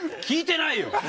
「聞いてないよ」